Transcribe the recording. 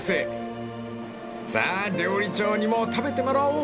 ［さあ料理長にも食べてもらおう］